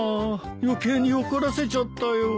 余計に怒らせちゃったよ。